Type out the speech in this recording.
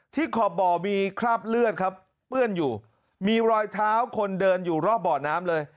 ขอบบ่อมีคราบเลือดครับเปื้อนอยู่มีรอยเท้าคนเดินอยู่รอบบ่อน้ำเลย